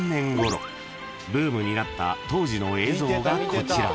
［ブームになった当時の映像がこちら］